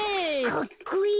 かっこいい！